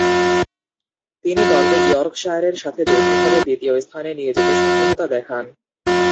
তিনি দলকে ইয়র্কশায়ারের সাথে যৌথভাবে দ্বিতীয় স্থানে নিয়ে যেতে সক্ষমতা দেখান।